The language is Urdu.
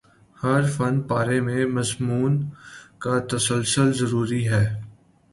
ہر فن پارے میں مضمون کا تسلسل ضروری ہے